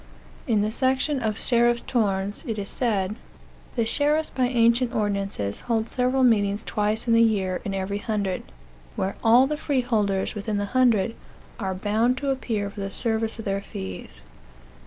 In the section "Of the Sheriff's Turns," it is said: "The sheriff's by ancient ordinances hold several meetings twice in the year in every hundred; where all the freeholders within the hundred are bound to appear for the service of their fees."